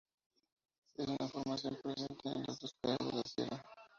Es una formación presente en las dos caras de la Sierra.